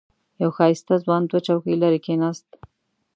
یو ښایسته ځوان دوه چوکۍ لرې کېناست.